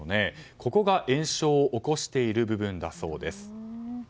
ここが炎症を起こしている部分だそうです。